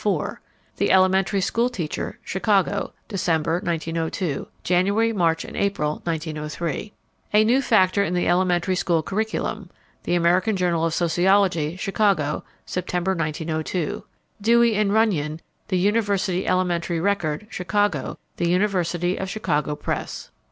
The Elementary School Teacher, Chicago, December, 1902, January, March, and April, 1903; "A New Factor in the Elementary School Curriculum," The American Journal of Sociology, Chicago, September, 1902. Dewey and Runyon, The University Elementary Record, Chicago, The University of Chicago Press.